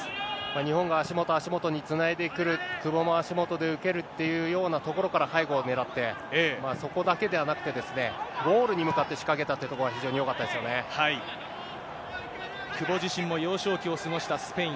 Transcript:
日本が足元、足元につないでくる、久保も足元で受けるっていうようなところから、背後を狙って、そこだけではなくて、ゴールに向かって仕掛けたってところが非常久保自身も幼少期を過ごしたスペイン。